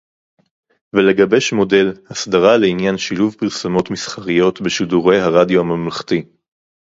ולגבש מודל הסדרה לעניין שילוב פרסומות מסחריות בשידורי הרדיו הממלכתי